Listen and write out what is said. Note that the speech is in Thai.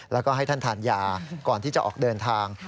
แล้วก็ให้ท่านทานยาก่อนที่จะออกเดินทาง